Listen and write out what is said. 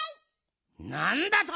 なんだと！